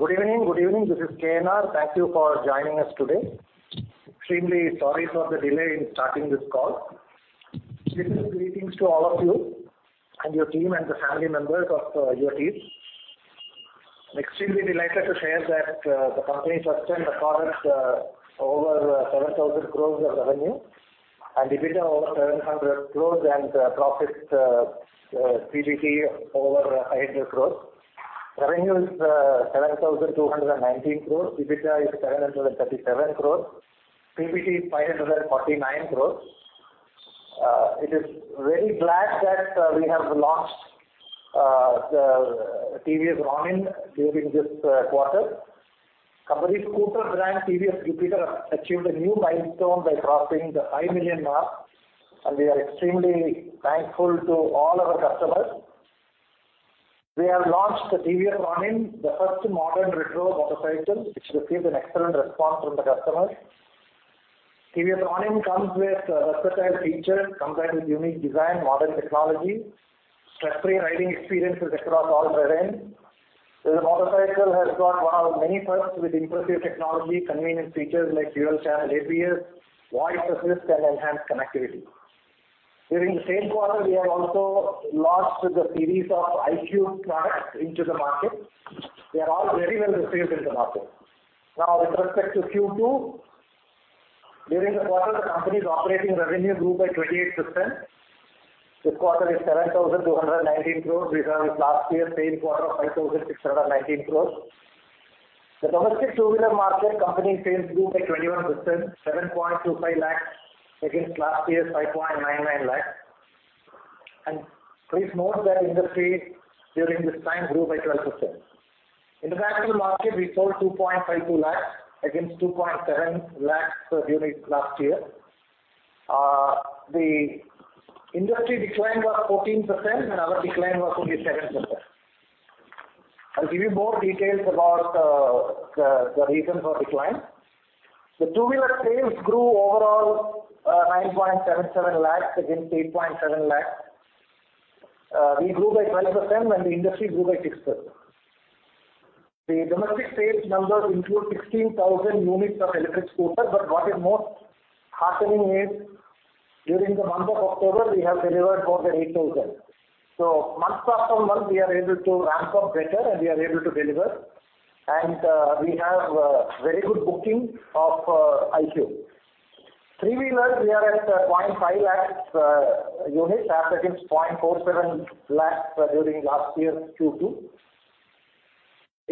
Good evening. This is KNR. Thank you for joining us today. Extremely sorry for the delay in starting this call. Special greetings to all of you and your team and the family members of your teams. Extremely delighted to share that the company sustained the course over 7,000 crores of revenue and EBITDA over 700 crores and profits, PBT over 500 crores. Revenue is 7,219 crores. EBITDA is 737 crores. PBT is 549 crores. We are very glad that we have launched the TVS Ronin during this quarter. Company scooter brand TVS Jupiter achieved a new milestone by crossing the 5 million mark, and we are extremely thankful to all our customers. We have launched the TVS Ronin, the first modern retro motorcycle, which received an excellent response from the customers. TVS Ronin comes with versatile features combined with unique design, modern technology, stress-free riding experiences across all terrains. This motorcycle has got one of many firsts with impressive technology, convenient features like dual channel ABS, voice assist and enhanced connectivity. During the same quarter, we have also launched the series of iQube products into the market. They are all very well received in the market. Now with respect to Q2, during the quarter, the company's operating revenue grew by 28%. This quarter is 7,219 crores compared with last year same quarter of 5,619 crores. The domestic two-wheeler market company sales grew by 21%, 7.25 lakhs against last year's 5.99 lakhs. Please note that industry during this time grew by 12%. International market, we sold 2.52 lakhs against 2.7 lakhs units last year. The industry decline was 14% and our decline was only 10%. I'll give you more details about the reasons for decline. The two-wheeler sales grew overall 9.77 lakhs against 8.7 lakhs. We grew by 12% and the industry grew by 6%. The domestic sales numbers include 16,000 units of electric scooters, but what is most heartening is during the month of October, we have delivered more than 8,000. Month after month, we are able to ramp up better and we are able to deliver. We have very good booking of iQube. Three-wheelers, we are at 0.5 lakh units as against 0.47 lakh during last year's Q2.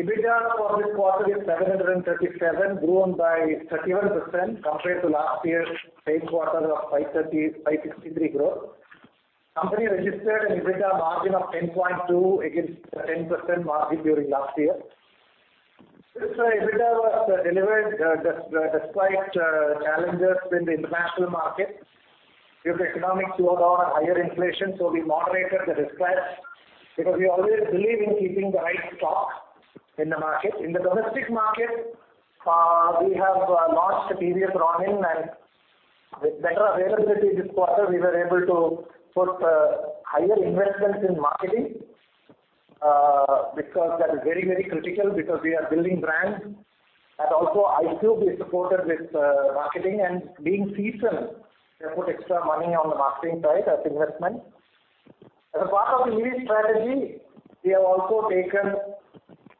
EBITDA for this quarter is 737 crore, grown by 31% compared to last year's same quarter of 563 crore. Company registered an EBITDA margin of 10.2% against the 10% margin during last year. This EBITDA was delivered despite challenges in the international market due to economic slowdown and higher inflation, so we moderated the discounts because we always believe in keeping the right stock in the market. In the domestic market, we have launched TVS Ronin and with better availability this quarter, we were able to put higher investments in marketing because that is very, very critical because we are building brands. Also iQube is supported with marketing and being seasonal, we have put extra money on the marketing side as investment. As a part of EV strategy, we have also taken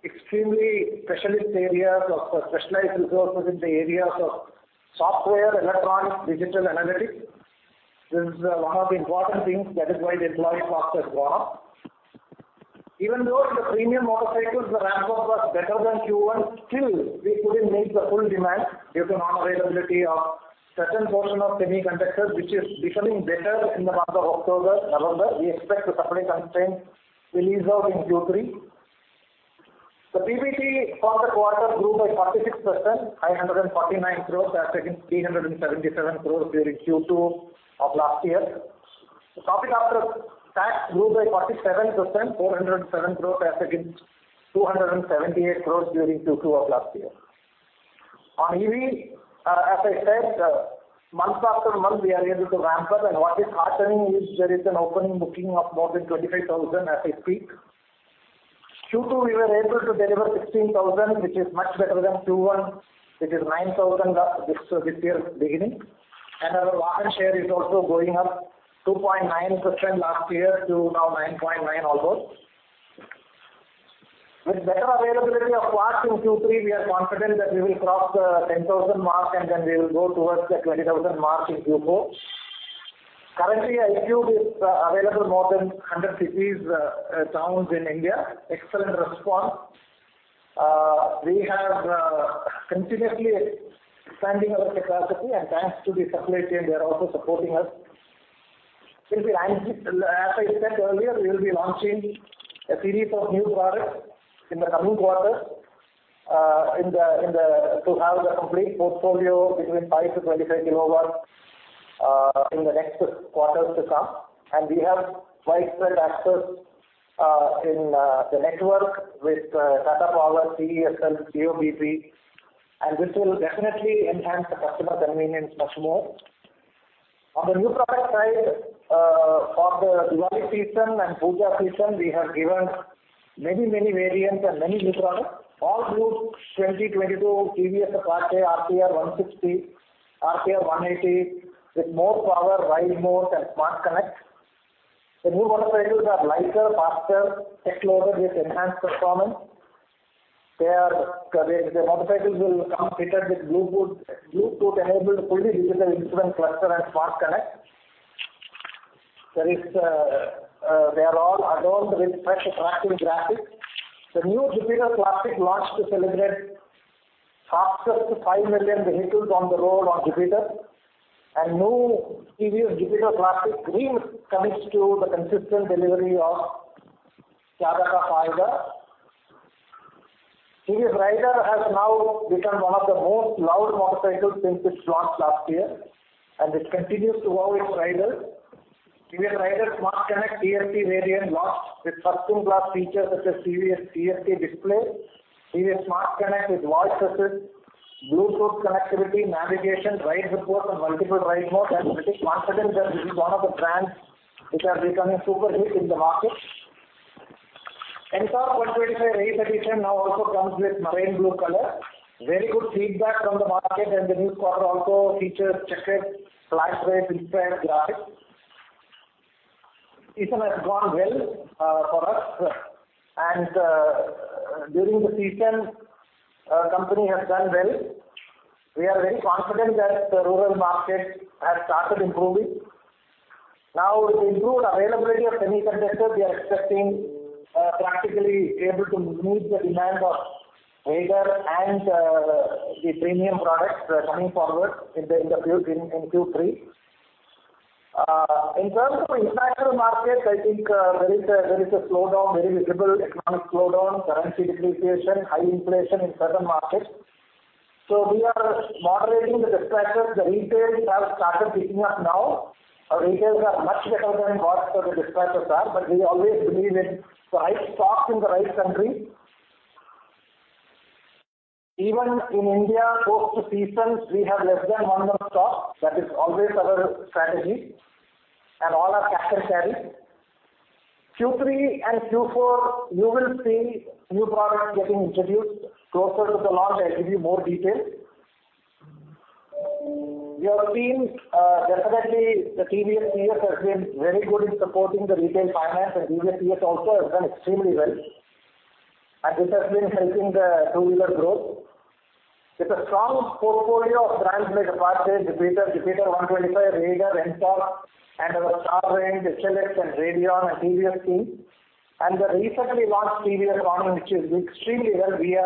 specialized resources in the areas of software, electronics, digital analytics. This is one of the important things. That is why the employee cost has gone up. Even though in the premium motorcycles, the ramp up was better than Q1, still we couldn't meet the full demand due to non-availability of certain portion of semiconductors, which is becoming better in the month of October, November. We expect the supply constraints will ease out in Q3. The PBT for the quarter grew by 36%, 549 crores as against 377 crores during Q2 of last year. The profit after tax grew by 47%, 407 crore as against 278 crore during Q2 of last year. On EV, as I said, month after month, we are able to ramp up. What is heartening is there is an online booking of more than 25,000 at its peak. Q2, we were able to deliver 16,000, which is much better than Q1. It is 9,000 this fiscal beginning. Our market share is also going up 2.9% last year to now almost 9.9%. With better availability of parts in Q3, we are confident that we will cross the 10,000 mark and then we will go towards the 20,000 mark in Q4. Currently, iQube is available in more than 100 cities, towns in India. Excellent response. We have continuously expanding our capacity and thanks to the supply chain, they are also supporting us. As I said earlier, we will be launching a series of new products in the coming quarters. To have the complete portfolio between 5 kW-25 kW in the next quarters to come. We have widespread access in the network with Tata Power, CESL, Jio-bp, and this will definitely enhance the customer convenience much more. On the new product side, for the Diwali season and Puja season, we have given many variants and many new products. All new 2022 TVS Apache RTR 160, RTR 180 with more power, ride mode and SmartXonnect. The new motorcycles are lighter, faster, tech loaded with enhanced performance. The motorcycles will come fitted with Bluetooth enabled fully digital instrument cluster and SmartXonnect. They are all adorned with fresh tracking graphics. The new TVS Jupiter Classic launched to celebrate fastest 5 million vehicles on the road on Jupiter. The new TVS Jupiter Classic Dreams commits to the consistent delivery of Zyada Ka Fayda. TVS Raider has now become one of the most loved motorcycles since its launch last year, and it continues to wow its riders. TVS Raider SmartXonnect TFT variant launched with first-in-class features such as TVS TFT display. TVS SmartXonnect with voice assist, Bluetooth connectivity, navigation, ride reports and multiple ride modes. We think confident that this is one of the brands which are becoming super hit in the market. NTORQ 125 Race Edition now also comes with marine blue color. Very good feedback from the market, and the new color also features checkered flag race-inspired graphics. Season has gone well for us. During the season, company has done well. We are very confident that the rural market has started improving. Now, with improved availability of semiconductors, we are expecting practically able to meet the demand of Raider and the premium products coming forward in Q3. In terms of international markets, I think there is a slowdown, very visible economic slowdown, currency depreciation, high inflation in certain markets. We are moderating the dispatches. The retails have started picking up now. Our retails are much better than what the dispatches are, but we always believe in the right stock in the right country. Even in India, post the seasons, we have less than one month stock. That is always our strategy. All are cash and carry. Q3 and Q4, you will see new products getting introduced. Closer to the launch, I'll give you more details. You have seen, definitely the TVS Finance has been very good in supporting the retail finance, and TVS Finance also has done extremely well. This has been helping the two-wheeler growth. With a strong portfolio of brands like Apache, Jupiter 125, Raider, NTORQ and our Star range, XL 100 and Radeon and TVS iQube. The recently launched TVS Ronin, which is extremely well. We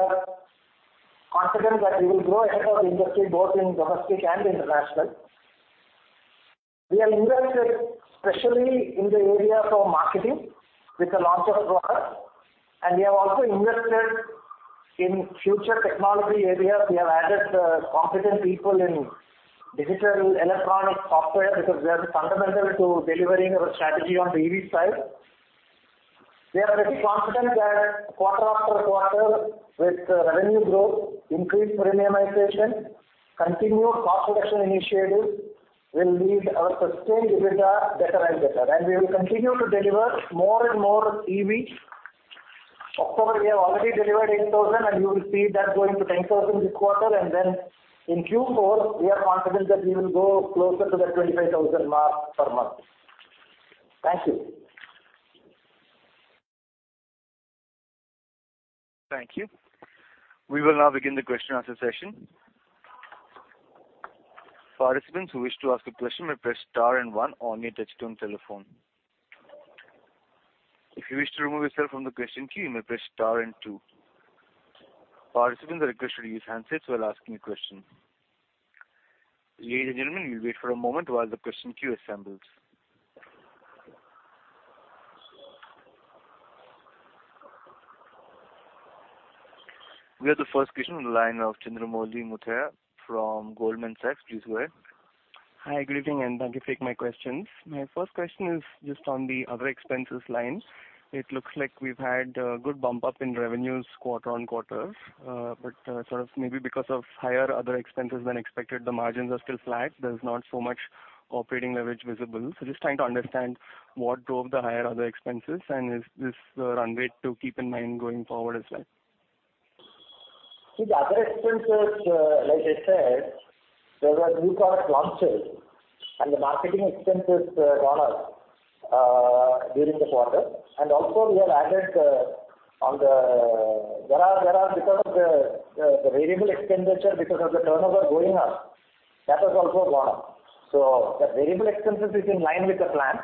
are confident that we will grow ahead of the industry, both in domestic and international. We have invested especially in the area of marketing with the launch of products, and we have also invested in future technology areas. We have added competent people in digital, electronic software, because they are fundamental to delivering our strategy on the EV side. We are pretty confident that quarter after quarter with revenue growth, increased premiumization, continued cost reduction initiatives will lead our sustained EBITDA better and better. We will continue to deliver more and more EVs. October, we have already delivered 8,000, and you will see that going to 10,000 this quarter. In Q4, we are confident that we will go closer to that 25,000 mark per month. Thank you. Thank you. We will now begin the question-and-answer session. Participants who wish to ask a question may press star and one on your touchtone telephone. If you wish to remove yourself from the question queue, you may press star and two. Participants are requested to use handsets while asking a question. Ladies and gentlemen, we wait for a moment while the question queue assembles. We have the first question on the line of Chandramouli Muthiah from Goldman Sachs. Please go ahead. Hi, good evening, and thank you for taking my questions. My first question is just on the other expenses line. It looks like we've had a good bump up in revenues quarter-on-quarter. Sort of maybe because of higher other expenses than expected, the margins are still flat. There's not so much operating leverage visible. Just trying to understand what drove the higher other expenses, and is this the runway to keep in mind going forward as well? See the other expenses, like I said, there were new product launches and the marketing expenses gone up during the quarter. Also we have added. There are because of the variable expenditure because of the turnover going up. That has also gone up. The variable expenses is in line with the plan.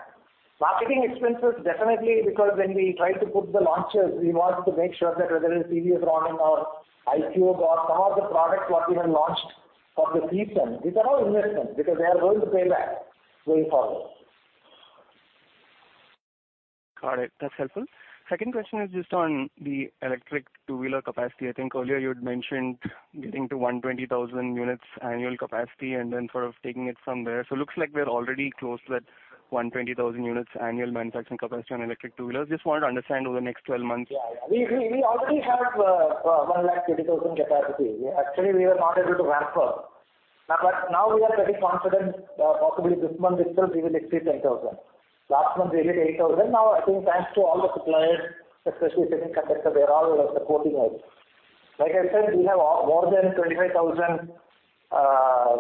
Marketing expenses, definitely because when we try to push the launches, we want to make sure that whether it's TVS Ronin or iQube or some of the products what we have launched for the season. These are all investments because they are going to pay back going forward. Got it. That's helpful. Second question is just on the electric two-wheeler capacity. I think earlier you had mentioned getting to 120,000 units annual capacity and then sort of taking it from there. Looks like we're already close to that 120,000 units annual manufacturing capacity on electric two-wheelers. Just wanted to understand over the next 12 months. Yeah, yeah. We already have 1 lakh capacity. Actually, we were not able to ramp up. Now we are very confident, possibly this month itself we will exceed 10,000. Last month we hit 8,000. Now I think thanks to all the suppliers, especially second, they are all supporting us. Like I said, we have more than 25,000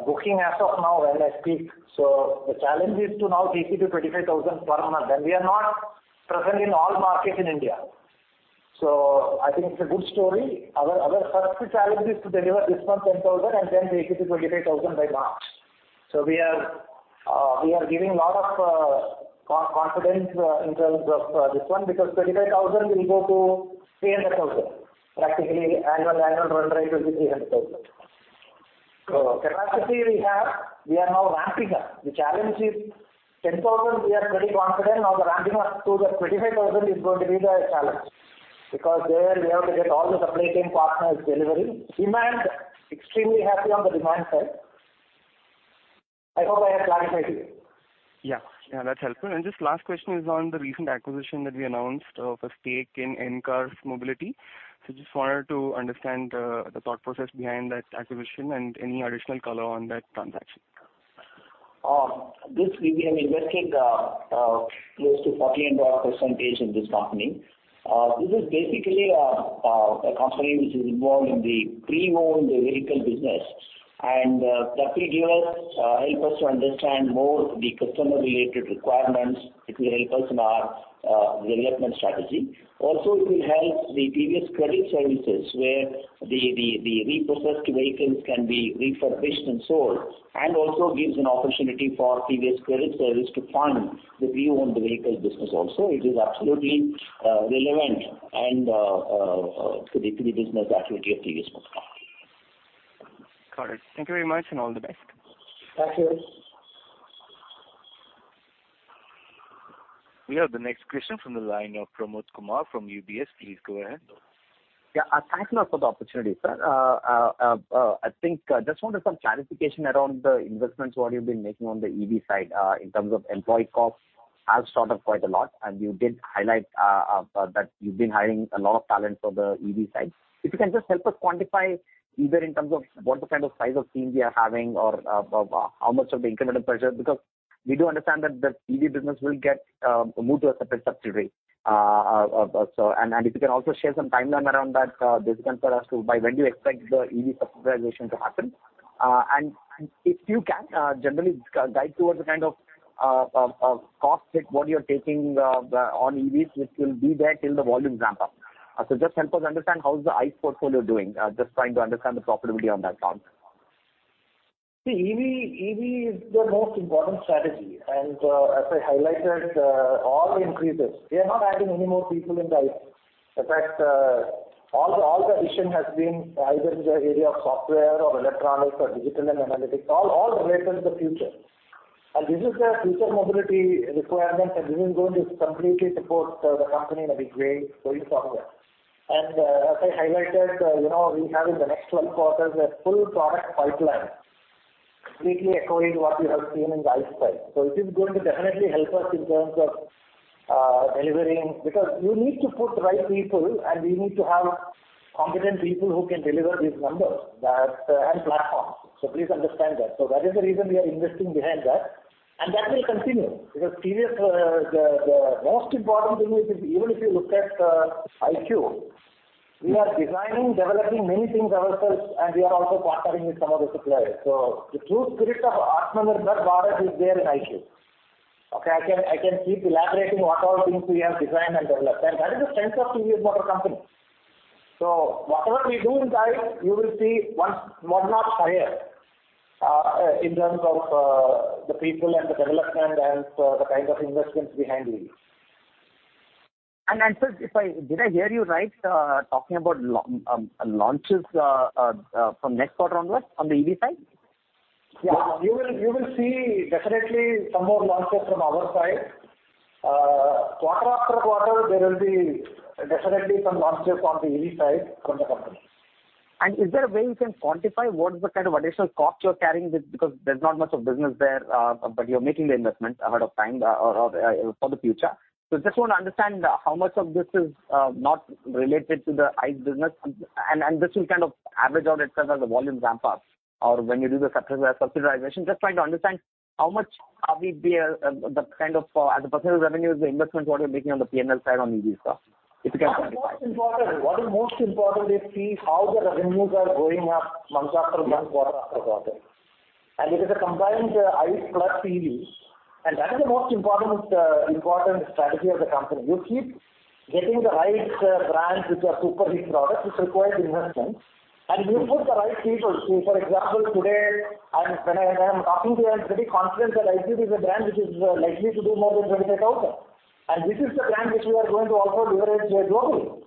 booking as of now when I speak. The challenge is to now take it to 25,000 per month, and we are not present in all markets in India. I think it's a good story. Our first challenge is to deliver this month 10,000 and then take it to 25,000 by March. We are giving lot of confidence in terms of this one, because 25,000 will go to 300,000. Practically annual run rate will be 300,000. Capacity we have. We are now ramping up. The challenge is 10,000 we are pretty confident. Now the ramping up to the 25,000 is going to be the challenge because there we have to get all the supply chain partners delivering. Demand, extremely happy on the demand side. I hope I have clarified it. Yeah, yeah, that's helpful. Just last question is on the recent acquisition that we announced of a stake in in-car mobility. Just wanted to understand, the thought process behind that acquisition and any additional color on that transaction. We have invested close to 14% in this company. This is basically a company which is involved in the pre-owned vehicle business and that will help us to understand more the customer related requirements. It will help us in our development strategy. It will help the TVS Credit Services where the repossessed vehicles can be refurbished and sold, and also gives an opportunity for TVS Credit Services to fund the pre-owned vehicle business also. It is absolutely relevant and to the business actually of TVS Motor Company. Got it. Thank you very much. All the best. Thank you. We have the next question from the line of Pramod Kumar from UBS. Please go ahead. Yeah. Thanks a lot for the opportunity, sir. I think just wanted some clarification around the investments what you've been making on the EV side, in terms of employee costs have shot up quite a lot, and you did highlight that you've been hiring a lot of talent for the EV side. If you can just help us quantify either in terms of what the kind of size of team we are having or how much of the incremental pressure, because we do understand that the EV business will get moved to a separate subsidiary. And if you can also share some timeline around that, this can tell us by when do you expect the EV subsidiarization to happen. If you can generally guide towards the kind of cost hit what you are taking on EVs, which will be there till the volumes ramp up. Just help us understand how is the ICE portfolio doing? Just trying to understand the profitability on that front. See, EV is the most important strategy. As I highlighted, all increases. We are not adding any more people in the ICE. In fact, all the addition has been either in the area of software or electronics or digital and analytics, all related to the future. This is the future mobility requirement and this is going to completely support the company in a big way going forward. As I highlighted, you know, we have in the next 12 quarters a full product pipeline completely echoing what you have seen in the ICE side. It is going to definitely help us in terms of delivering, because you need to put right people and you need to have competent people who can deliver these numbers that, and platforms. Please understand that. That is the reason we are investing behind that and that will continue. Because TVS, the most important thing is even if you look at iQube, we are designing, developing many things ourselves and we are also partnering with some of the suppliers. The true spirit of Atmanirbhar Bharat is there in iQube. I can keep elaborating what all things we have designed and developed and that is the strength of TVS Motor Company. Whatever we do in the ICE, you will see one notch higher in terms of the people and the development and the kind of investments behind these. Sir, did I hear you right, talking about launches from next quarter onwards on the EV side? Yeah. You will see definitely some more launches from our side. Quarter after quarter there will be definitely some launches on the EV side from the company. Is there a way you can quantify what is the kind of additional cost you are carrying with because there's not much of business there, but you're making the investment ahead of time or for the future. Just want to understand how much of this is not related to the ICE business and this will kind of average out itself as the volumes ramp up or when you do the subsidization. Just trying to understand how much are we be the kind of as a percentage of revenue is the investment what you're making on the P&L side on EV stuff, if you can. What is most important is see how the revenues are going up month after month, quarter after quarter. It is a combined ICE plus EVs, and that is the most important important strategy of the company. You keep getting the right brands which are super hit products which requires investment and you input the right people. See for example, today I am talking to you, I'm pretty confident that iQube is a brand which is likely to do more than 25,000. This is the brand which we are going to also leverage globally.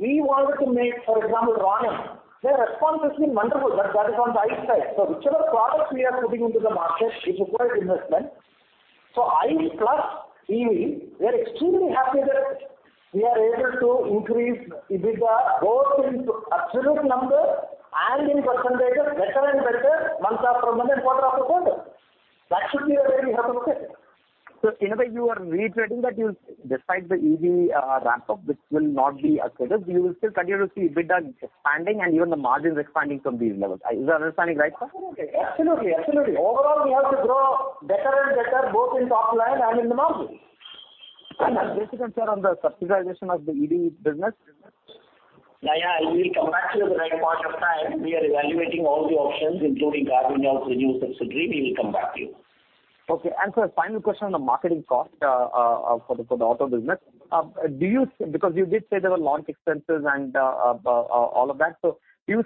We wanted to make, for example, Ronin. Their response has been wonderful. That is on the ICE side. Whichever product we are putting into the market, it requires investment. ICE plus EV, we are extremely happy that we are able to increase with the both in absolute numbers and in percentages better and better month after month and quarter after quarter. That should be where we have okay. In a way, you are reiterating that you, despite the EV ramp up, which will not be as quick as, you will still continue to see EBITDA expanding and even the margins expanding from these levels. Is my understanding right, sir? Absolutely. Overall, we have to grow better and better, both in top line and in the margins. Desikan, sir, on the subsidization of the EV business? Yeah, yeah. We will come back to you at the right point of time. We are evaluating all the options, including carving out a new subsidiary. We will come back to you. Okay. Sir, final question on the marketing cost for the auto business. Do you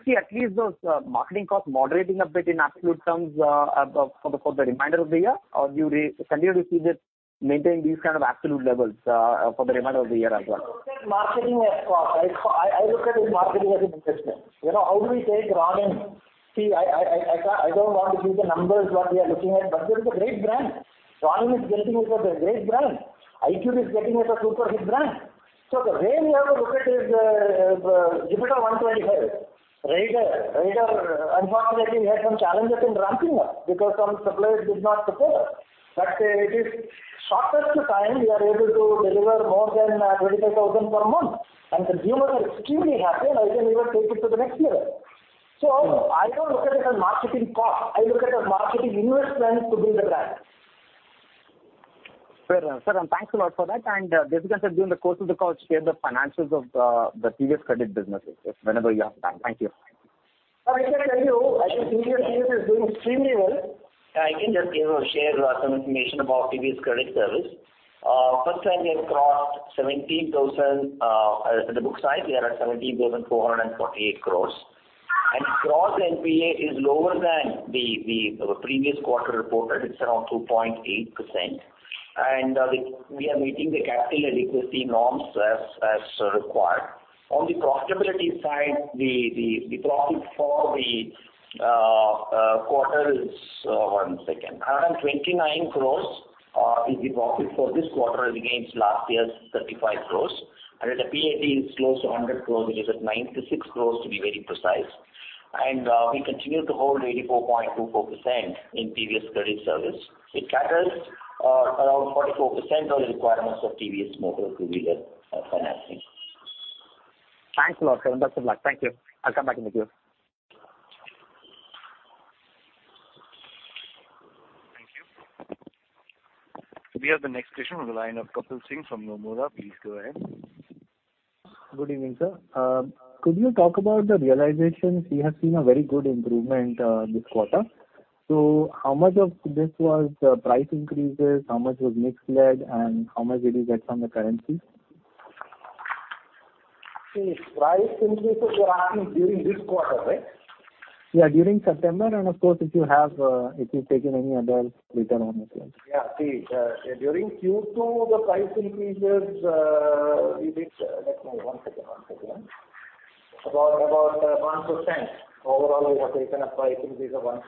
see at least those marketing costs moderating a bit in absolute terms for the remainder of the year? Or do you continue to see it maintain these kind of absolute levels for the remainder of the year as well? I don't look at marketing as cost. I look at marketing as an investment. You know, how do we take Ronin? See, I don't want to give the numbers what we are looking at, but there is a great brand. Ronin is getting us a great brand. iQube is getting us a super hit brand. The way we have to look at is TVS Jupiter 125, Raider. Raider, unfortunately, had some challenges in ramping up because some suppliers did not support us. It is shortest of time we are able to deliver more than 25,000 per month, and consumers are extremely happy and I can even take it to the next year. I don't look at it as marketing cost. I look at as marketing investment to build the brand. Fair enough. Sir, and thanks a lot for that. Desikan, sir, during the course of the call, share the financials of the TVS Credit business, whenever you have time. Thank you. I can tell you, I think TVS Credit is doing extremely well. Yeah, I can just, you know, share some information about TVS Credit Services. First time we have crossed 17,000, the book size, we are at 17,448 crore. Gross NPA is lower than the previous quarter reported. It's around 2.8%. We are meeting the capital adequacy norms as required. On the profitability side, the profit for the quarter is around 29 crore for this quarter against last year's 35 crore. The PAT is close to 100 crore. It is at 96 crore to be very precise. We continue to hold 84.24% in TVS Credit Services, which caters around 44% of the requirements of TVS Motor two-wheeler financing. Thanks a lot, sir. Best of luck. Thank you. I'll come back in the queue. Thank you. We have the next question on the line of Kapil Singh from Nomura. Please go ahead. Good evening, sir. Could you talk about the realizations? We have seen a very good improvement this quarter. How much of this was price increases? How much was mix-led? How much did you get from the currency? See, price increases were happening during this quarter, right? Yeah, during September and of course, if you've taken any advance return on it, yes. Yeah. See, during Q2, the price increases we did. One second, one second. About one percent. Overall, we have taken a price increase of 1%.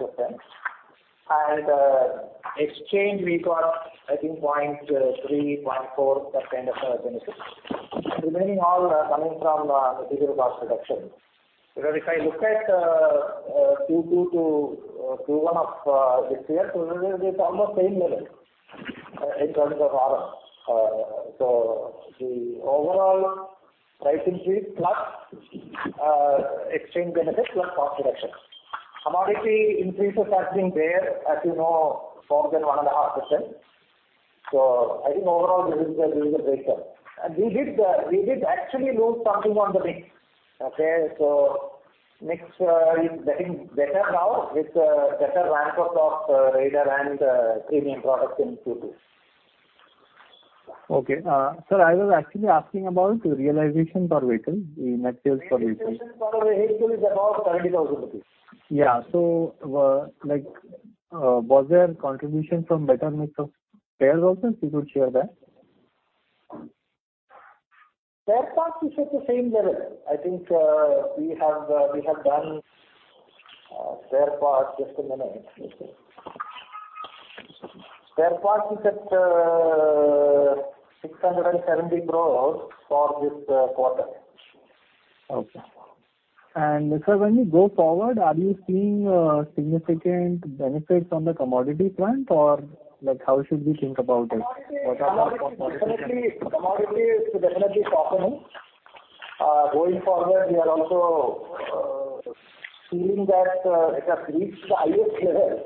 Exchange we got I think 0.3, 0.4, that kind of benefit. Remaining all coming from the material cost reduction. Because if I look at Q2 to Q1 of this year, so it's almost same level in terms of RM. The overall price increase plus exchange benefit plus cost reduction. Commodity increases have been there, as you know, more than 1.5%. I think overall this is a breakthrough. We actually did lose something on the mix. Okay? Mix is getting better now with better ramp up of Raider and premium products in Q2. Okay. Sir, I was actually asking about the realization per vehicle, the net sales per vehicle. Realization per vehicle is about INR 30,000. Yeah. Like, was there contribution from better mix of spares also? If you could share that. Spare parts is at the same level. I think we have done spare parts. Just a minute. Let me see. Spare parts is at 670 crores for this quarter. Okay. Sir, when you go forward, are you seeing significant benefits on the commodity front? Or like how should we think about it? What are the Commodity is definitely softening. Going forward, we are also seeing that it has reached the highest level.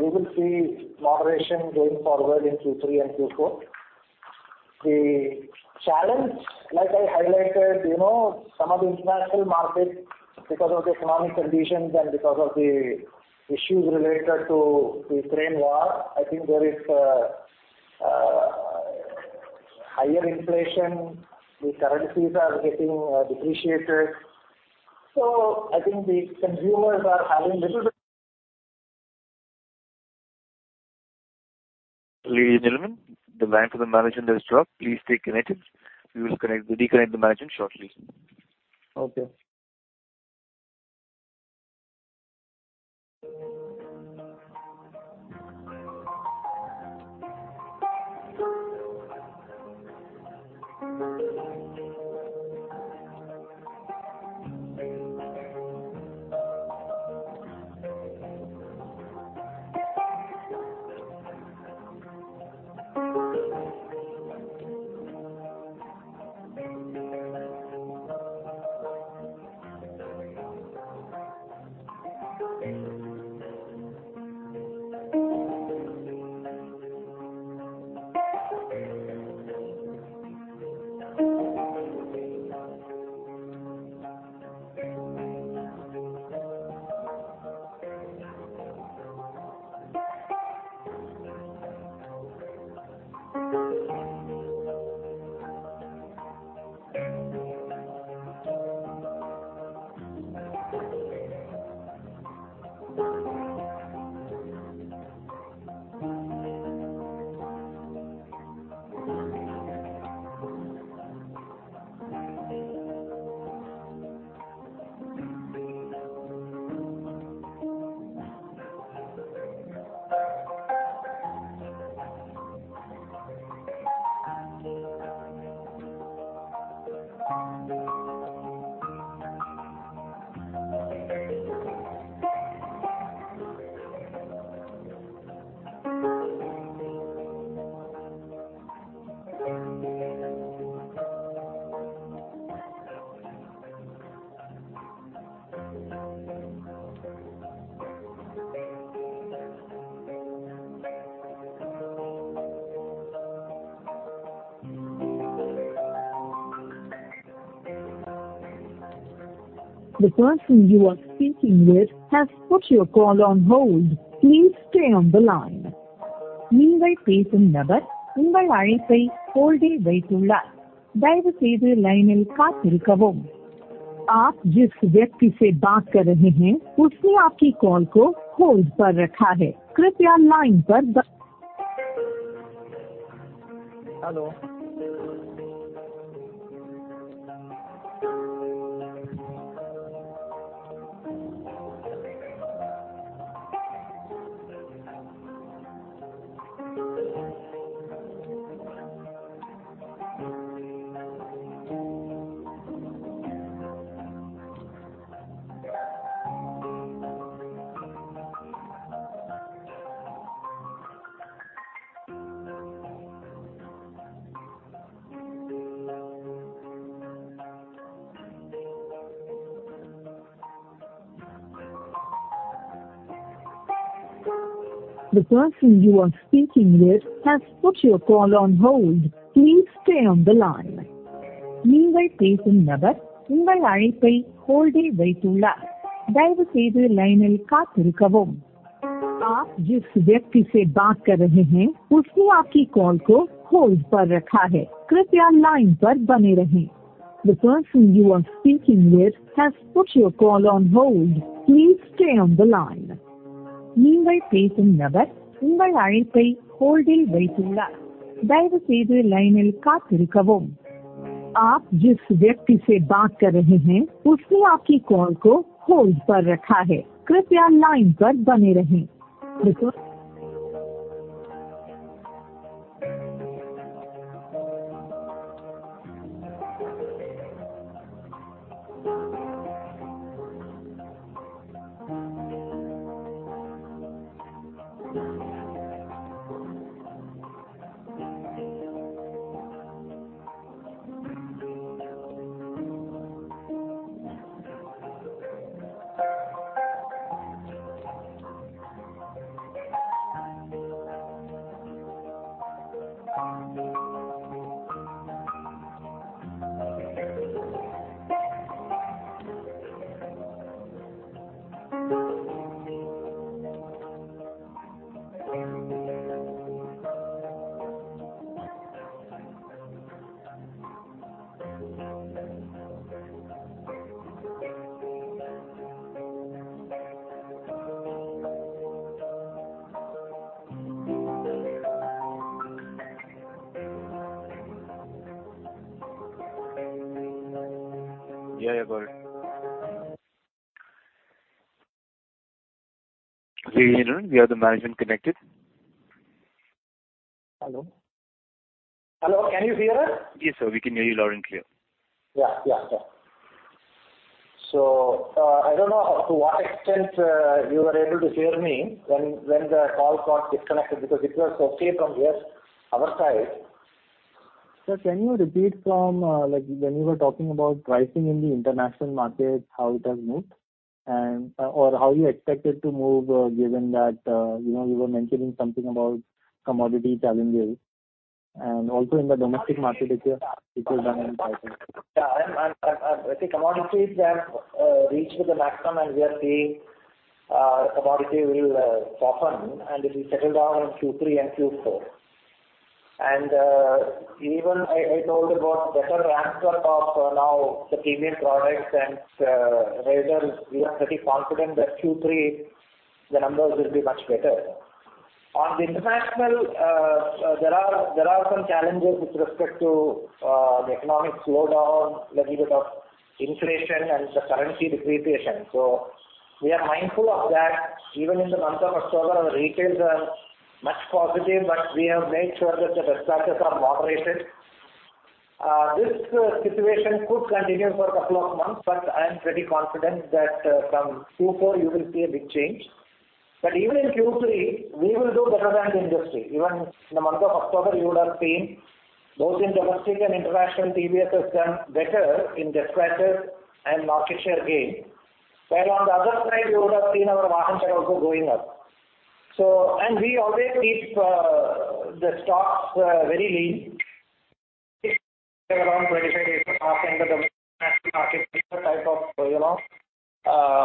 We will see moderation going forward in Q3 and Q4. The challenge, like I highlighted, you know, some of the international markets because of the economic conditions and because of the issues related to the Ukraine war, I think there is higher inflation. The currencies are getting depreciated. I think the consumers are having little bit- Ladies and gentlemen, the line for the management has dropped. Please take your notes. We will re-connect the management shortly. Okay. The person you are speaking with has put your call on hold. Please stay on the line. The person you are speaking with has put your call on hold. Please stay on the line. The person you are speaking with has put your call on hold. Please stay on the line. Yeah, yeah, got it. We have the management connected. Hello? Hello, can you hear us? Yes, sir. We can hear you loud and clear. Yeah. Yeah. I don't know to what extent you were able to hear me when the call got disconnected, because it was okay from here, our side. Sir, can you repeat from, like, when you were talking about pricing in the international market, how it has moved or how you expect it to move, given that, you know, you were mentioning something about commodity challenges and also in the domestic market? I think commodities have reached the maximum, and we are seeing commodity will soften, and it will settle down in Q3 and Q4. Even I told about better ramp up of now the premium products and rather we are pretty confident that Q3, the numbers will be much better. On the international, there are some challenges with respect to the economic slowdown, little bit of inflation and the currency depreciation. We are mindful of that. Even in the month of October, the retails are much positive, but we have made sure that the risk factors are moderated. This situation could continue for a couple of months, but I am pretty confident that from Q4 you will see a big change. Even in Q3, we will do better than the industry. Even in the month of October, you would have seen both in domestic and international, TVS has done better in dispatches and market share gain. Where on the other side, you would have seen our margins are also going up. So, and we always keep the stocks very lean, say around 25% of the domestic market type of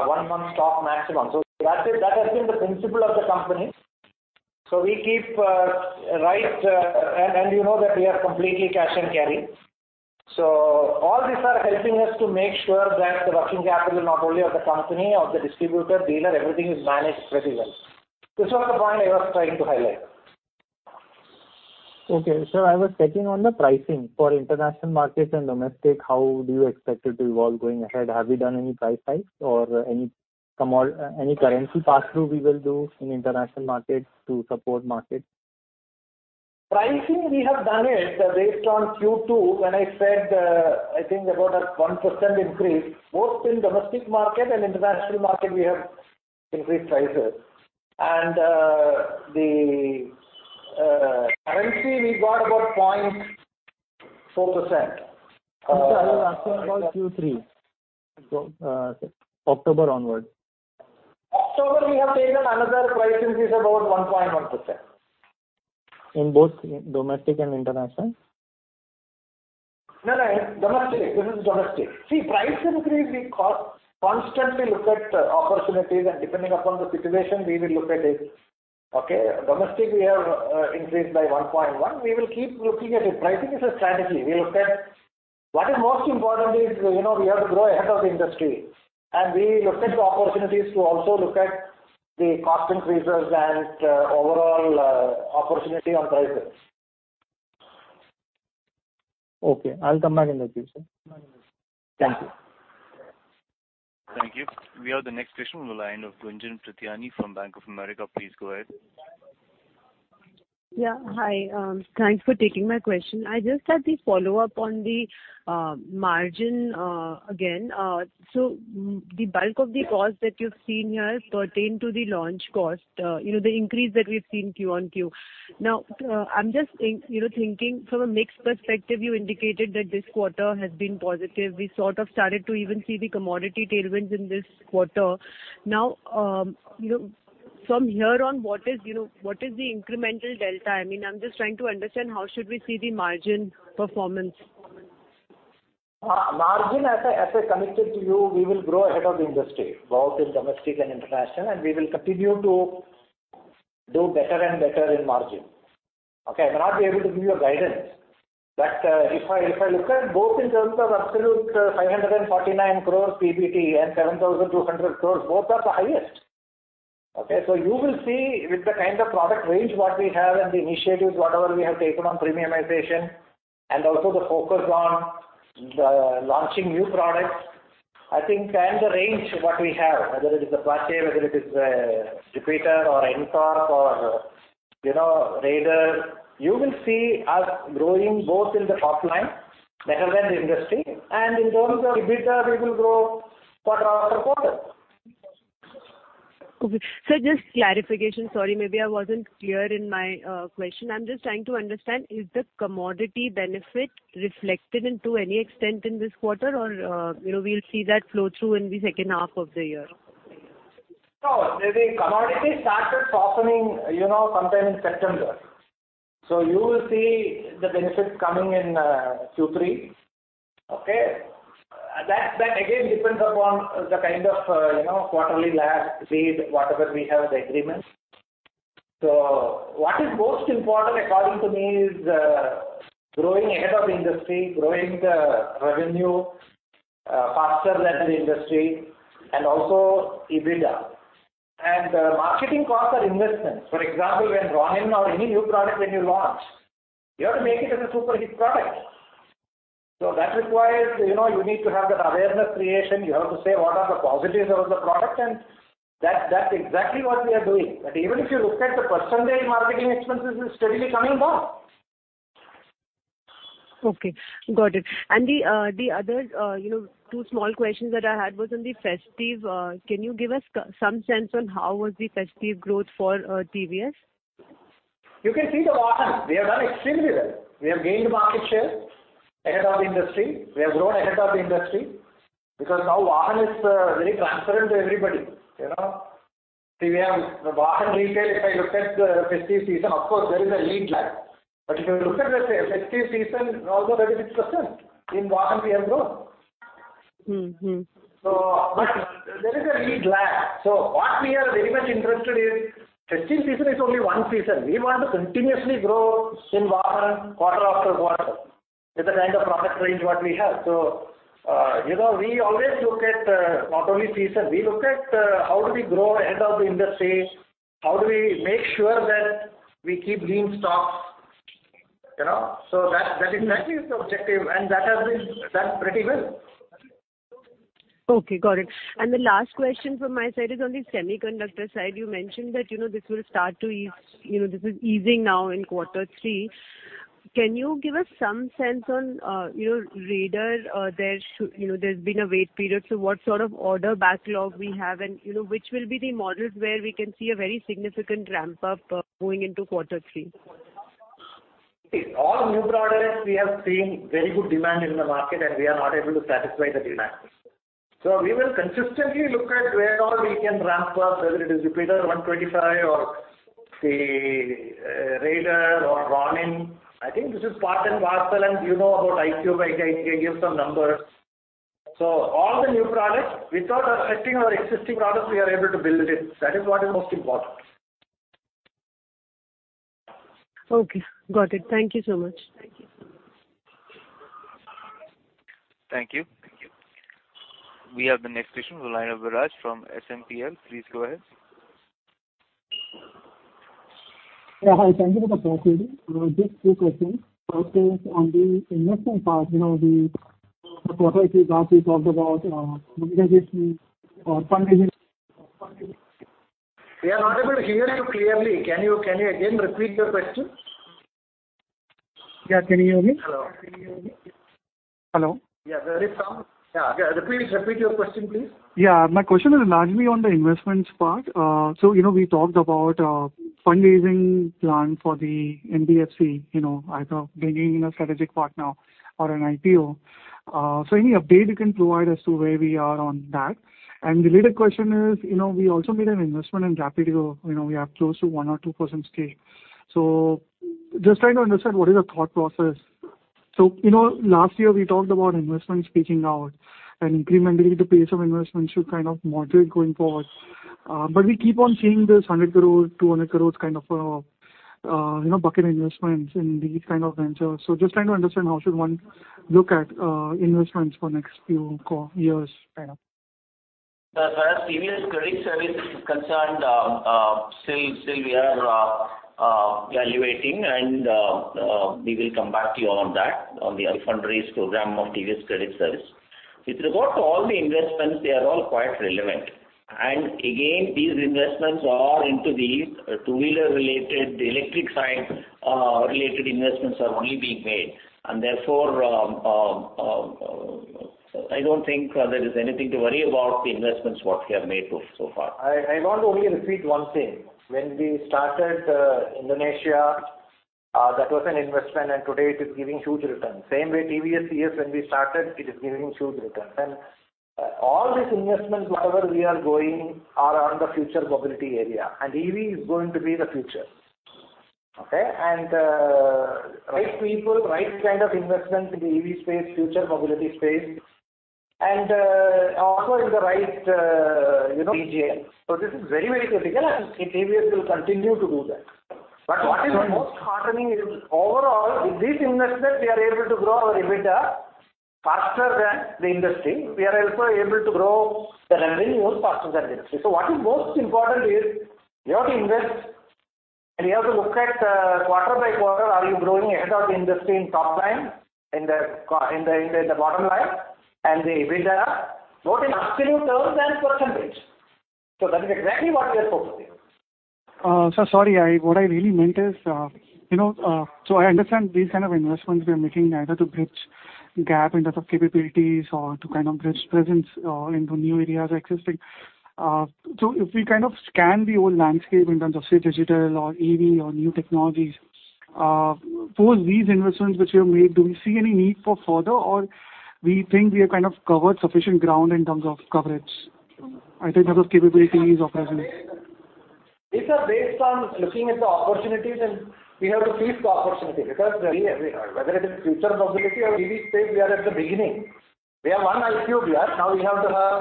one-month stock maximum. So that has been the principle of the company. So we keep right, and you know that we are completely cash and carry. So all these are helping us to make sure that the working capital not only of the company or the distributor dealer, everything is managed pretty well. This was the point I was trying to highlight. Okay. Sir, I was checking on the pricing for international markets and domestic. How do you expect it to evolve going ahead? Have you done any price hikes or any currency pass-through we will do in international markets to support market? Pricing, we have done it based on Q2 when I said, I think about a 1% increase, both in domestic market and international market, we have increased prices. The currency we got about 0.4%. Sir, I was asking about Q3. October onward. October, we have taken another price increase about 1.1%. In both domestic and international? No, no. Domestic. This is domestic. See, price increase, we constantly look at opportunities and depending upon the situation, we will look at it. Okay. Domestic, we have increased by 1.1%. We will keep looking at it. Pricing is a strategy. We look at what is most importantly, you know, we have to grow ahead of the industry, and we look at the opportunities to also look at the cost increases and overall opportunity on prices. Okay. I'll come back in the queue, sir. Thank you. Thank you. We have the next question on the line of Gunjan Prithyani from Bank of America. Please go ahead. Yeah. Hi. Thanks for taking my question. I just had the follow-up on the margin again. The bulk of the cost that you've seen here pertain to the launch cost, you know, the increase that we've seen Q-on-Q. Now, I'm just thinking from a mix perspective, you indicated that this quarter has been positive. We sort of started to even see the commodity tailwinds in this quarter. Now, you know, from here on, what is the incremental delta? I mean, I'm just trying to understand how should we see the margin performance. Margin, as I committed to you, we will grow ahead of the industry, both in domestic and international, and we will continue to do better and better in margin. Okay. I may not be able to give you a guidance, but if I look at both in terms of absolutec, 549 crores PBT and 7,200 crores, both are the highest. Okay. You will see with the kind of product range what we have and the initiatives, whatever we have taken on premiumization and also the focus on the launching new products. I think and the range what we have, whether it is Apache, whether it is Jupiter or NTORQ or, you know, Raider, you will see us growing both in the top line better than the industry. In terms of EBITDA, we will grow quarter after quarter. Sir, just clarification. Sorry, maybe I wasn't clear in my question. I'm just trying to understand, is the commodity benefit reflected to any extent in this quarter or, you know, we'll see that flow through in the second half of the year? No. The commodity started softening, you know, sometime in September. You will see the benefits coming in, Q3. Okay? That again depends upon the kind of, you know, quarterly lag, right, whatever we have the agreements. What is most important, according to me, is growing ahead of the industry, growing the revenue faster than the industry and also EBITDA. Marketing costs are investments. For example, when Ronin or any new product when you launch, you have to make it as a super hit product. That requires, you know, you need to have that awareness creation. You have to say what are the positives of the product and that's exactly what we are doing. Even if you look at the percentage, marketing expenses is steadily coming down. Okay, got it. The other, you know, two small questions that I had was on the festive. Can you give us some sense on how was the festive growth for TVS? You can see the Vahan. We have done extremely well. We have gained market share ahead of the industry. We have grown ahead of the industry because now Vahan is very transparent to everybody, you know. See, we have the Vahan retail. If I look at the festive season, of course there is a lead lag. If you look at the festive season, also 36% in Vahan we have grown. Mm-hmm. There is a lead lag. What we are very much interested in, festive season is only one season. We want to continuously grow in Vahan quarter after quarter with the kind of product range what we have. You know, we always look at, not only season, we look at, how do we grow ahead of the industry? How do we make sure that we keep lean stocks? You know? So that exactly is the objective and that has been done pretty well. Okay, got it. The last question from my side is on the semiconductor side. You mentioned that, you know, this will start to ease, you know, this is easing now in quarter three. Can you give us some sense on, you know, there's been a wait period. So what sort of order backlog we have and, you know, which will be the models where we can see a very significant ramp up, going into quarter three? All new products we have seen very good demand in the market, and we are not able to satisfy the demand. We will consistently look at where all we can ramp up, whether it is Jupiter 125 or the Raider or Ronin. I think this is part and parcel, and you know about iQube. I can give some numbers. All the new products, without affecting our existing products, we are able to build it. That is what is most important. Okay, got it. Thank you so much. Thank you. We have the next question, Binay Viraj from SMPL. Please go ahead. Yeah. Hi, thank you for the opportunity. Just two questions. First is on the investment part, you know, that you talked about, monetization or fundraising. We are not able to hear you clearly. Can you again repeat your question? Yeah. Can you hear me? Hello. Hello. There is sound. Repeat your question, please. Yeah. My question is largely on the investments part. You know, we talked about fundraising plan for the NBFC, you know, either bringing in a strategic partner or an IPO. Any update you can provide as to where we are on that? The related question is, you know, we also made an investment in Rapido. You know, we have close to 1% or 2% stake. Just trying to understand what is your thought process. You know, last year we talked about investments peaking out and incrementally the pace of investment should kind of moderate going forward. We keep on seeing this 100 crore, 200 crore kind of, you know, bucket investments in these kind of ventures. Just trying to understand how should one look at investments for next few years kind of. As far as TVS Credit Services is concerned, still we are evaluating and we will come back to you on that, on the fundraise program of TVS Credit Services. With regard to all the investments, they are all quite relevant. Again, these investments are into the two-wheeler related, the electric side, related investments are only being made and therefore, I don't think there is anything to worry about the investments what we have made so far. I want to only repeat one thing. When we started Indonesia, that was an investment, and today it is giving huge returns. Same way TVSCS, when we started it is giving huge returns. All these investments wherever we are going are on the future mobility area, and EV is going to be the future. Okay? Right people, right kind of investments in the EV space, future mobility space and also in the right, you know, R&D. This is very, very critical, and TVS will continue to do that. What is the most heartening is overall with these investments, we are able to grow our EBITDA faster than the industry. We are also able to grow the revenues faster than the industry. What is most important is you have to invest and you have to look at quarter by quarter, are you growing ahead of the industry in top line, in the bottom line and the EBITDA, both in absolute terms and percentage. That is exactly what we are focusing. Sir, sorry. What I really meant is, you know, so I understand these kind of investments we are making either to bridge gap in terms of capabilities or to kind of bridge presence into new areas existing. If we kind of scan the whole landscape in terms of, say, digital or EV or new technologies, for these investments which you have made, do we see any need for further or we think we have kind of covered sufficient ground in terms of coverage? I think in terms of capabilities or presence. These are based on looking at the opportunities and we have to seize the opportunity because whether it is future mobility or EV space, we are at the beginning. We have one iQube launch. Now we have to have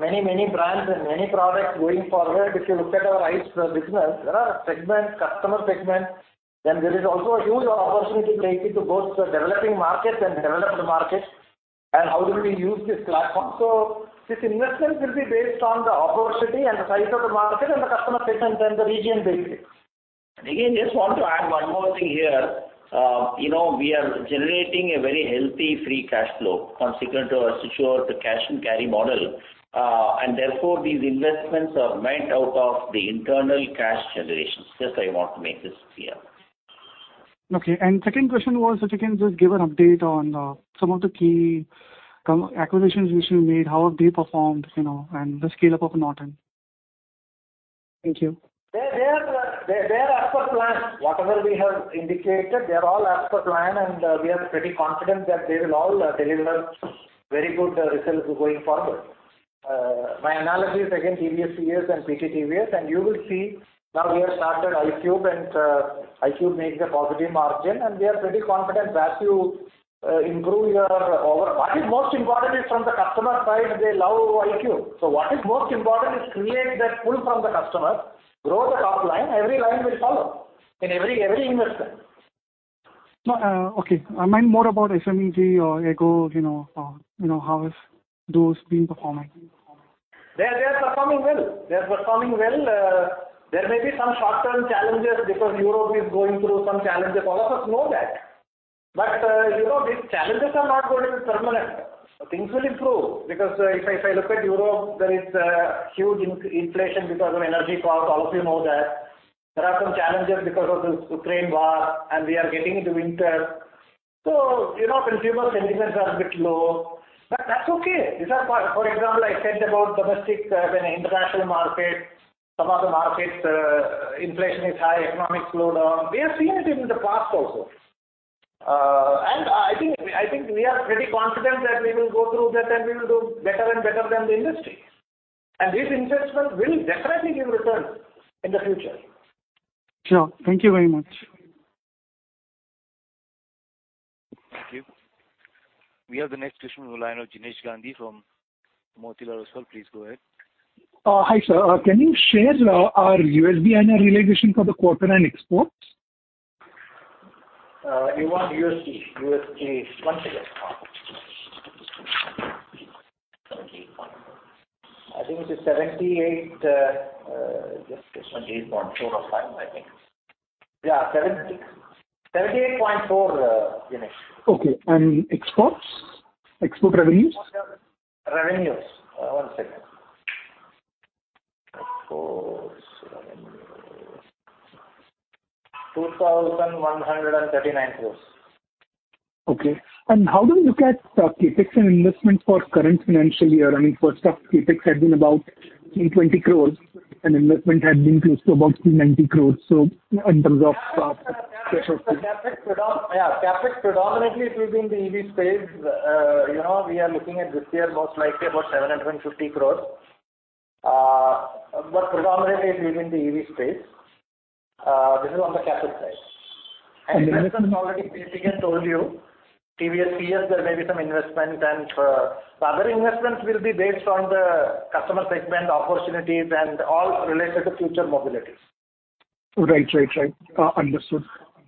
many, many brands and many products going forward. If you look at our ICE business, there are segments, customer segments. There is also a huge opportunity waiting to go to developing markets and developed markets and how do we use this platform. These investments will be based on the opportunity and the size of the market and the customer segments and the region basically. Again, just want to add one more thing here. You know, we are generating a very healthy free cash flow consequent to our cash and carry model. Therefore these investments are made out of the internal cash generations. Just I want to make this clear. Okay. Second question was if you can just give an update on some of the key acquisitions which you made, how have they performed, you know, and the scale up of Norton? Thank you. They are as per plan. Whatever we have indicated, they are all as per plan, and we are pretty confident that they will all deliver very good results going forward. My analogy is again TVS, yes, and PT TVS, and you will see now we have started iQube and iQube makes a positive margin and we are pretty confident as you improve your overall. What is most important is from the customer side, they love iQube. What is most important is create that pull from the customer, grow the top line, every line will follow in every investment. No, okay. I meant more about SEMG or EGO, you know, how is those been performing? They are performing well. There may be some short-term challenges because Europe is going through some challenges. All of us know that. You know, these challenges are not going to be permanent. Things will improve because if I look at Europe, there is huge inflation because of energy costs. All of you know that. There are some challenges because of this Ukraine war, and we are getting into winter, so you know, consumer sentiments are a bit low. That's okay. These are, for example, I said about domestic and international market. Some of the markets, inflation is high, economic slowdown. We have seen it in the past also. I think we are pretty confident that we will go through that and we will do better and better than the industry. This investment will definitely give return in the future. Sure. Thank you very much. Thank you. We have the next question on the line of Jinesh Gandhi from Motilal Oswal. Please go ahead. Hi, sir. Can you share our USD INR realization for the quarter and exports? You want USD. One second. I think it is 78. 78.4 or 78.5, I think. Yeah. 78.4, Jinesh. Okay. Exports? Export revenues? Revenues. Export revenues. 2,139 crores. Okay. How do you look at CapEx and investment for current financial year? I mean, first half CapEx had been about 320 crores and investment had been close to about 390 crores, so in terms of first half. Yeah, CapEx predominantly is within the EV space. You know, we are looking at this year most likely about 750 crores. Predominantly it is within the EV space. This is on the CapEx side. And- And basically I told you, TVSCS there may be some investment and, the other investments will be based on the customer segment opportunities and all related to future mobilities. Right. Understood.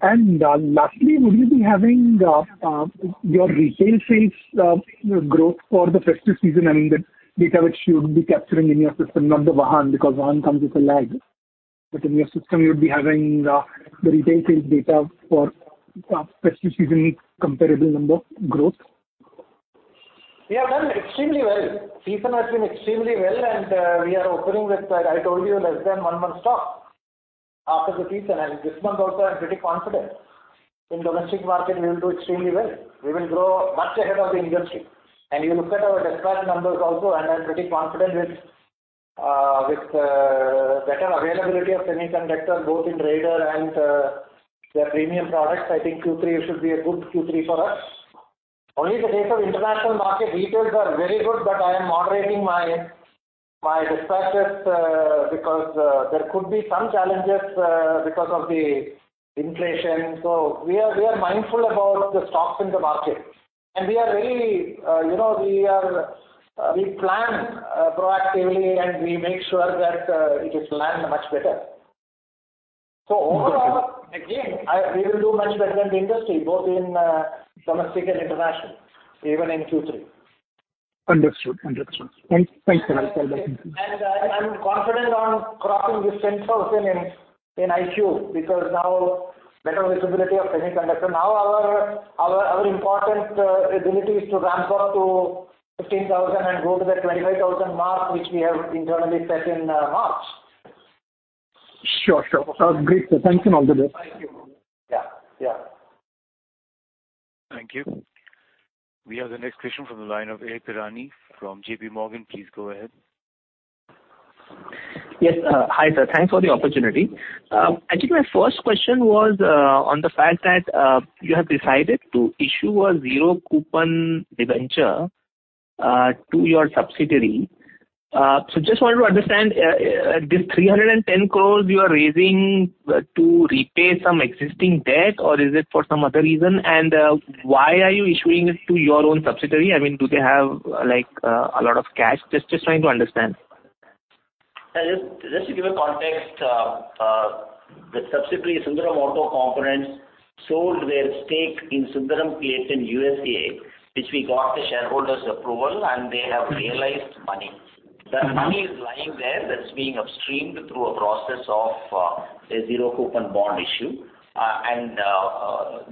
Lastly, would you be having your retail sales growth for the festive season, I mean, the data which you would be capturing in your system, not the Vahan, because Vahan comes with a lag. In your system, you would be having the retail sales data for festive season comparable number growth. We have done extremely well. Season has been extremely well. We are opening with I told you less than one month stock after the season. This month also I'm pretty confident in domestic market we will do extremely well. We will grow much ahead of the industry. You look at our dispatch numbers also. I'm pretty confident with better availability of semiconductor both in Raider and the premium products. I think Q3 should be a good Q3 for us. In the case of international market retail is very good, but I am moderating my dispatches because there could be some challenges because of the inflation. We are mindful about the stocks in the market. We are very, you know, we plan proactively, and we make sure that it is planned much better. Got it. Overall, again, we will do much better than the industry, both in domestic and international, even in Q3. Understood. Thanks a lot. I'm confident on crossing this 10,000 in iQube because now better visibility of semiconductor. Our important ability is to ramp up to 15,000 and go to that 25,000 mark, which we have internally set in March. Sure. That's great, sir. Thanks and all the best. Thank you. Yeah. Yeah. Thank you. We have the next question from the line of Aditya Irani from J.P. Morgan. Please go ahead. Yes. Hi, sir. Thanks for the opportunity. I think my first question was on the fact that you have decided to issue a zero coupon debenture to your subsidiary. Just wanted to understand this 310 crore you are raising to repay some existing debt or is it for some other reason? Why are you issuing it to your own subsidiary? I mean, do they have, like, a lot of cash? Just trying to understand. Just to give a context, the subsidiary, Sundaram Auto Components, sold their stake in Sundaram Clayton USA, which we got the shareholders' approval, and they have realized money. Mm-hmm. That money is lying there. That's being upstreamed through a process of a zero-coupon bond issue.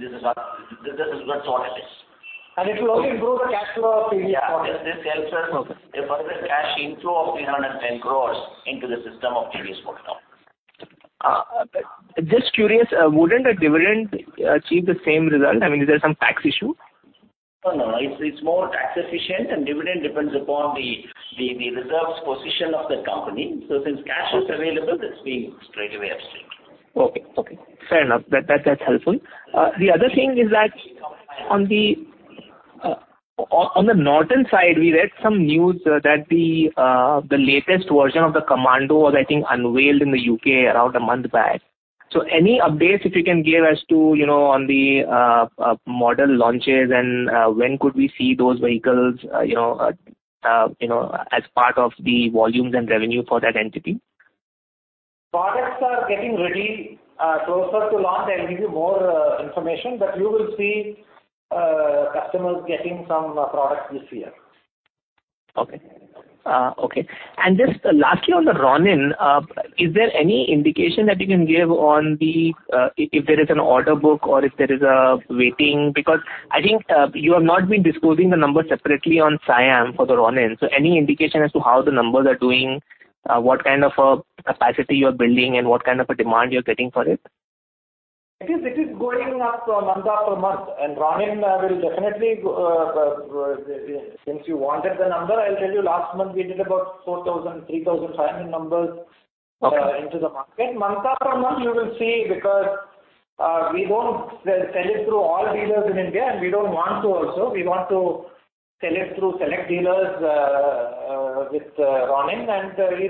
This is what sort of it is. It will only improve the cash flow of TVS Motor. Yeah. This helps us. Okay. A further cash inflow of 310 crore into the system of TVS Motor now. Just curious, wouldn't a dividend achieve the same result? I mean, is there some tax issue? No, no. It's more tax efficient and dividend depends upon the reserves position of the company. Since cash is available, that's being straightaway upstreamed. Okay. Fair enough. That's helpful. The other thing is that on the Norton side, we read some news that the latest version of the Commando was, I think, unveiled in the UK around a month back. Any updates if you can give as to, you know, on the model launches and when could we see those vehicles, you know, as part of the volumes and revenue for that entity? Products are getting ready. Closer to launch, I'll give you more information, but you will see customers getting some products this year. Just lastly on the Ronin, is there any indication that you can give on the if there is an order book or if there is a waiting? Because I think you have not been disclosing the numbers separately on SIAM for the Ronin. So any indication as to how the numbers are doing, what kind of a capacity you're building and what kind of a demand you're getting for it? It is going up month after month, and Ronin will definitely, since you wanted the number, I'll tell you last month we did about 4,000, 3,000 Ronin numbers. Okay. Into the market. Month after month you will see because we don't sell it through all dealers in India, and we don't want to also. We want to sell it through select dealers with Ronin.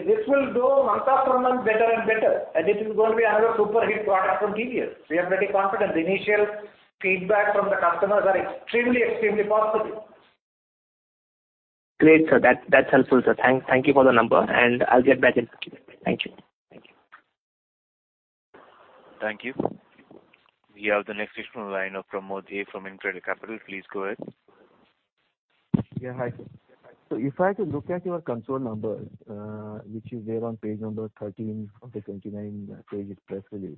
This will go month after month better and better. This is going to be another super hit product from TVS. We are pretty confident. The initial feedback from the customers are extremely positive. Great, sir. That's helpful, sir. Thank you for the number, and I'll get back in touch. Thank you. Thank you. Thank you. We have the next question on the line of Pramod A. from InCred Capital. Please go ahead. Yeah, hi. If I had to look at your consolidated numbers, which is there on page number 13 of the 29-page press release,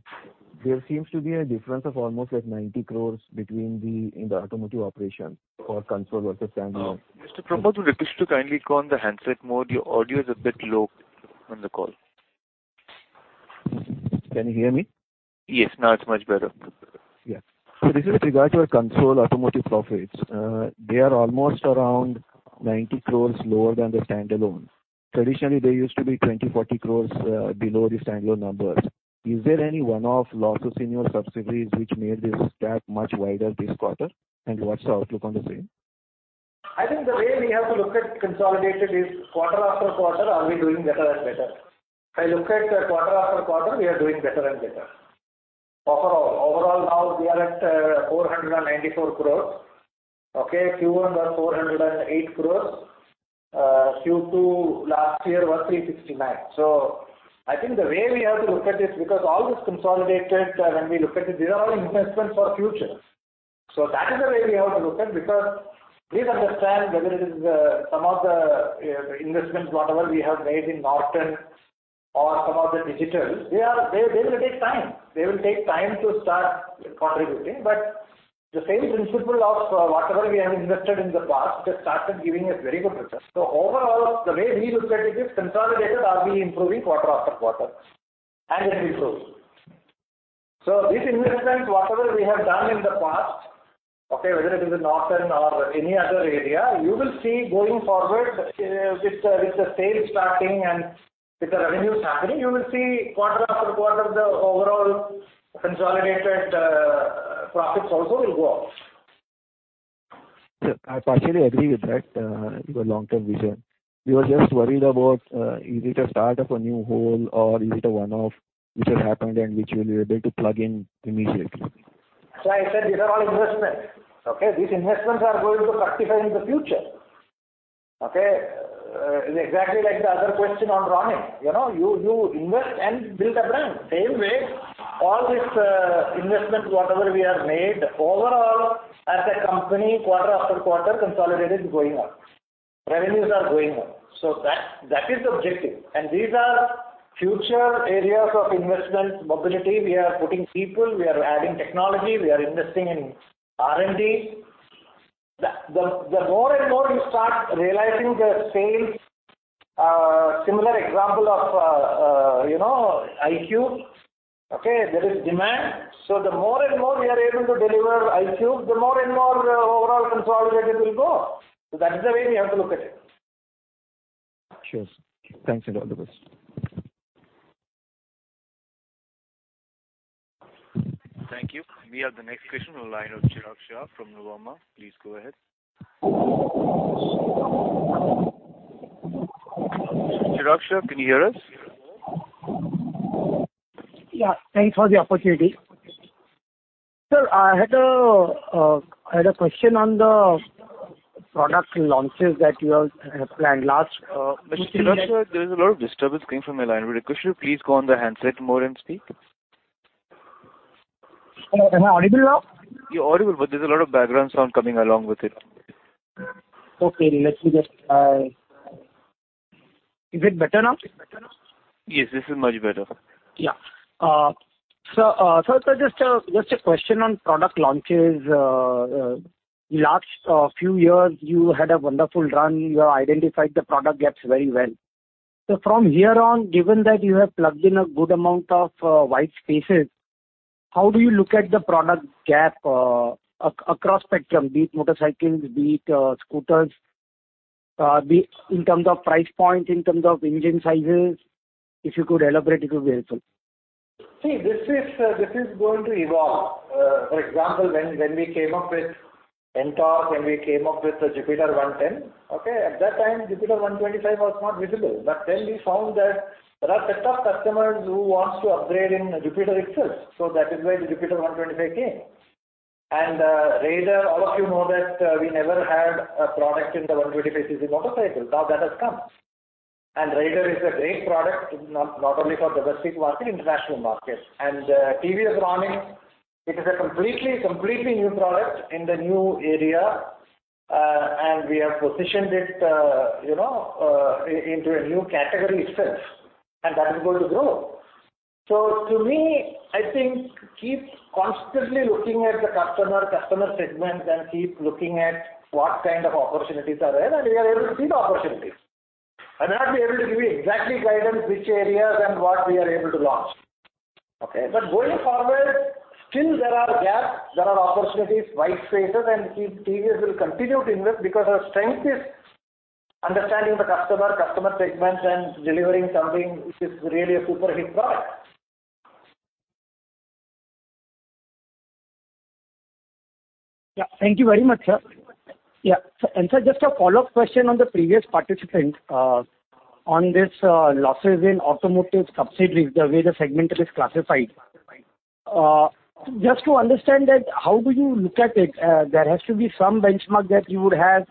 there seems to be a difference of almost like 90 crore between the automotive operation for consolidated versus standalone. Mr. Pramod, would you please kindly go on the handset mode. Your audio is a bit low on the call. Can you hear me? Yes, now it's much better. Yeah. This is with regard to your consolidated automotive profits. They are almost around 90 crore lower than the standalone. Traditionally, they used to be 20 crore-40 crore below the standalone numbers. Is there any one-off losses in your subsidiaries which made this gap much wider this quarter? What's the outlook on the same? I think the way we have to look at consolidated is quarter after quarter, are we doing better and better? If I look at quarter after quarter, we are doing better and better. Overall, now we are at 494 crores. Okay? Q1 was 408 crores. Q2 last year was 369 crores. I think the way we have to look at this, because all this consolidated, when we look at it, these are all investments for future. That is the way we have to look at, because please understand, whether it is, some of the, investments whatever we have made in Norton or some of the digitals, they will take time. They will take time to start contributing. The same principle of whatever we have invested in the past, it started giving us very good results. Overall, the way we look at it is consolidated, are we improving quarter after quarter? It improves. These investments, whatever we have done in the past, okay, whether it is in Norton or any other area, you will see going forward, with the sales starting and with the revenues happening, you will see quarter after quarter the overall consolidated profits also will go up. Sir, I partially agree with that, your long-term vision. We were just worried about is it a start of a new hole or is it a one-off which has happened and which you will be able to plug in immediately? That's why I said these are all investments. Okay? These investments are going to fructify in the future. Okay? Exactly like the other question on Ronin. You know, you invest and build a brand. Same way, all this investment, whatever we have made overall as a company quarter after quarter consolidated is going up. Revenues are going up. That is the objective. These are future areas of investment. Mobility, we are putting people, we are adding technology, we are investing in R&D. The more and more you start realizing the sales, similar example of, you know, iQube. Okay, there is demand. The more and more we are able to deliver iQube, the more and more overall consolidated will go. That's the way we have to look at it. Sure. Thanks and all the best. Thank you. We have the next question on the line of Chirag Shah from Nuvama. Please go ahead. Chirag Shah, can you hear us? Yeah. Thanks for the opportunity. Sir, I had a question on the product launches that you have planned last- Mr. Chirag Shah, there is a lot of disturbance coming from your line. Would you please go on the handset mode and speak? Am I audible now? You're audible, but there's a lot of background sound coming along with it. Okay. Let me just try. Is it better now? Yes, this is much better. Yeah. Just a question on product launches. Last few years you had a wonderful run. You identified the product gaps very well. From here on, given that you have plugged in a good amount of white spaces, how do you look at the product gap across spectrum, be it motorcycles, be it scooters, be it in terms of price point, in terms of engine sizes? If you could elaborate, it would be helpful. See, this is going to evolve. For example, when we came up with NTORQ, when we came up with the Jupiter 110, okay, at that time, Jupiter 125 was not visible. Then we found that there are set of customers who wants to upgrade in Jupiter itself. That is why the Jupiter 125 came. Raider, all of you know that, we never had a product in the 125 cc motorcycle. Now that has come. Raider is a great product, not only for domestic market, international market. TVS Ronin, it is a completely new product in the new era. We have positioned it, you know, into a new category itself, and that is going to grow. To me, I think keep constantly looking at the customer segments and keep looking at what kind of opportunities are there, and we are able to see the opportunities. I may not be able to give you exactly guidance which areas and what we are able to launch. Okay. Going forward, still there are gaps, there are opportunities, white spaces and TVS will continue to invest because our strength is understanding the customer segments and delivering something which is really a super hit product. Yeah, thank you very much, sir. Yeah. Sir, just a follow-up question on the previous participant, on this, losses in automotive subsidiaries, the way the segment is classified. Just to understand that, how do you look at it? There has to be some benchmark that you would have,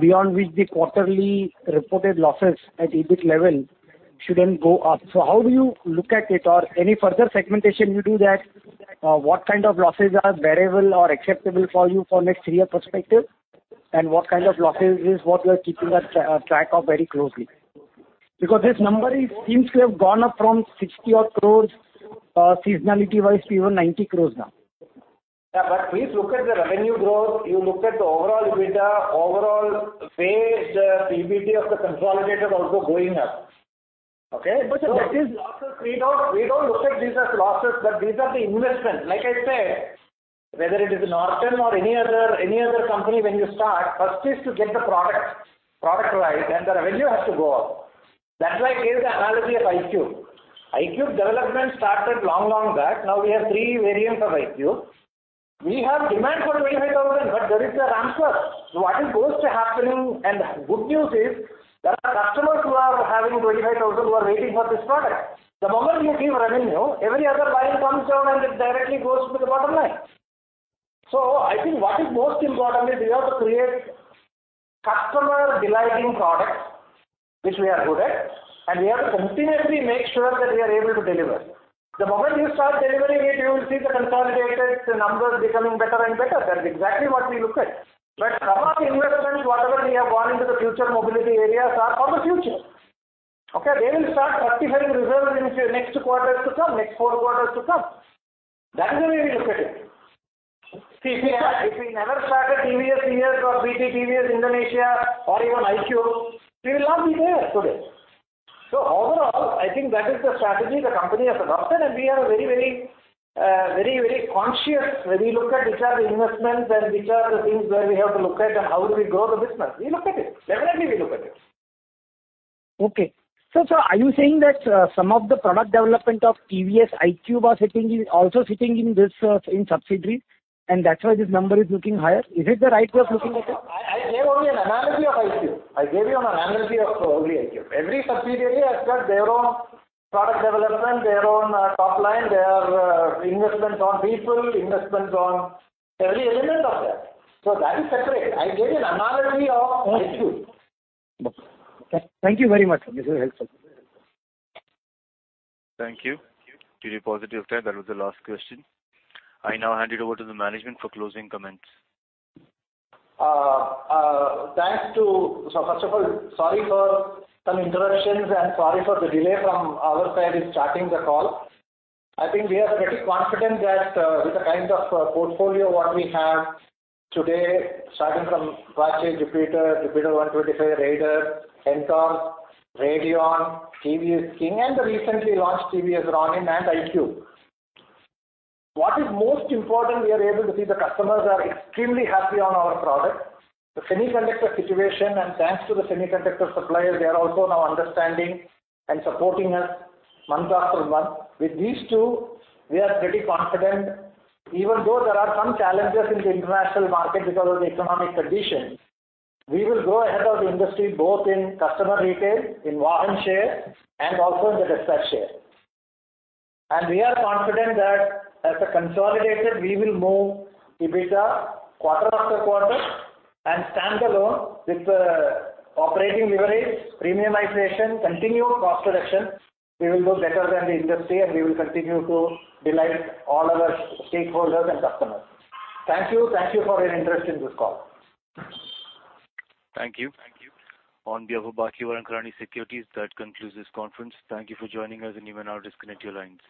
beyond which the quarterly reported losses at EBIT level shouldn't go up. So how do you look at it? Or any further segmentation you do that, what kind of losses are bearable or acceptable for you for next year perspective? And what kind of losses is what you are keeping a track of very closely? Because this number it seems to have gone up from 60-odd crore, seasonality-wise to even 90 crore now. Please look at the revenue growth. You look at the overall EBITDA, overall PAT, PBT of the consolidated also going up. Okay? Sir, that is. Losses, we don't look at these as losses, but these are the investments. Like I said, whether it is Norton or any other company when you start, first is to get the product right, then the revenue has to go up. That's why I gave the analogy of iQube. iQube development started long back. Now we have three variants of iQube. We have demand for 25,000, but there is a ramp up. What is supposed to happen and good news is, there are 25,000 customers who are waiting for this product. The moment you give revenue, every other line comes out and it directly goes to the bottom line. I think what is most important is we have to create customer delighting product, which we are good at, and we have to continuously make sure that we are able to deliver. The moment you start delivering it, you will see the consolidated numbers becoming better and better. That's exactly what we look at. Some of the investments, whatever we have gone into the future mobility areas are for the future. Okay? They will start contributing results in the next quarters to come, next four quarters to come. That is the way we look at it. If we never started TVS U.S. or PT TVS Indonesia or even iQube, we will not be there today. Overall, I think that is the strategy the company has adopted, and we are very conscious when we look at which are the investments and which are the things where we have to look at and how do we grow the business. We look at it. Definitely, we look at it. Okay. Sir, are you saying that some of the product development of TVS iQube are sitting in subsidiaries, and that's why this number is looking higher? Is it the right way of looking at it? I gave only an analogy of iQube. I gave you an analogy of only iQube. Every subsidiary has got their own product development, their own, top line, their, investments on people, investments on every element of that. That is separate. I gave you an analogy of iQube. Okay. Thank you very much, sir. This is helpful. Thank you for devoting your time. That was the last question. I now hand it over to the management for closing comments. First of all, sorry for some interruptions and sorry for the delay from our side in starting the call. I think we are pretty confident that with the kind of portfolio what we have today, starting from Apache, Jupiter 125, Raider, NTORQ, Radeon, TVS King, and the recently launched TVS Ronin and iQube. What is most important, we are able to see the customers are extremely happy on our product. The semiconductor situation, and thanks to the semiconductor suppliers, they are also now understanding and supporting us month after month. With these two, we are pretty confident, even though there are some challenges in the international market because of the economic conditions. We will go ahead of the industry, both in customer retail, in volume share, and also in the dispatch share. We are confident that as a consolidated, we will move EBITDA quarter after quarter and stand alone with operating leverage, premiumization, continued cost reduction. We will do better than the industry, and we will continue to delight all our stakeholders and customers. Thank you. Thank you for your interest in this call. Thank you. On behalf of B&K Securities, that concludes this conference. Thank you for joining us, and you may now disconnect your lines.